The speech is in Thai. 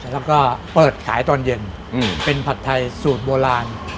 แล้วก็เปิดขายตอนเย็นเป็นผัดไทยสูตรโบราณ